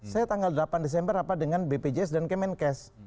saya tanggal delapan desember rapat dengan bpjs dan kemenkes